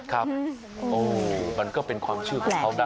ครับโอ้มันก็เป็นความเชื่อของเขานะ